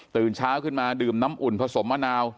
ตื่นเช้าขึ้นมาดื่มน้ำอุ่นผสมมะนาว